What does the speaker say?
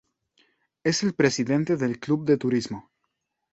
Es el Presidente del club de Turismo.